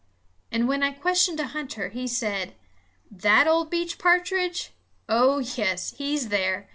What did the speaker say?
And when I questioned a hunter, he said: "That ol' beech pa'tridge? Oh, yes, he's there.